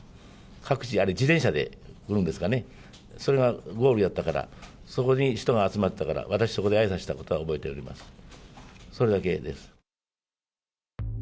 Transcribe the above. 各自、あれ、自転車で来るんですかね、それがゴールやったから、そこに人が集まったから、私、そこであいさつしたことは覚えております、それだけです。